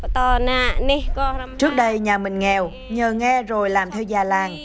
trước đây nhà mình nghèo nhờ nghe rồi làm theo già làng